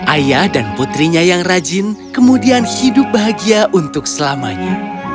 ayah dan putrinya yang rajin kemudian hidup bahagia untuk selamanya